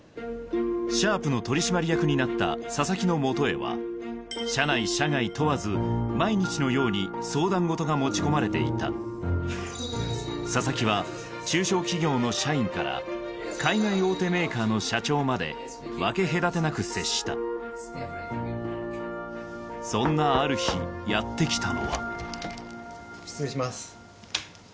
「シャープ」の取締役になった佐々木の元へは社内社外問わず毎日のように相談事が持ち込まれていた佐々木は中小企業の社員から海外大手メーカーの社長まで分け隔てなく接したそんなある日やって来たのは失礼します。